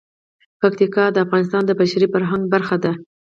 پکتیا د افغانستان د بشري فرهنګ برخه ده.